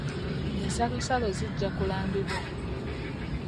Ensalosalo zijja kulambibwa.